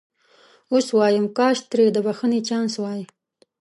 اوس وایم کاش ترې د بخښنې چانس وای.